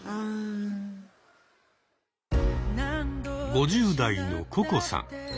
５０代のココさん。